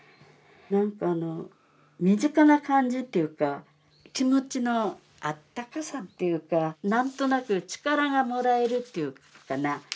何かあの身近な感じっていうか気持ちのあったかさっていうか何となく力がもらえるっていうかな。